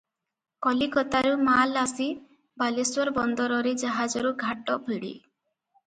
କଲିକତାରୁ ମାଲ ଆସି ବାଲେଶ୍ୱର ବନ୍ଦରରେ ଜାହାଜରୁ ଘାଟ ଭିଡେ ।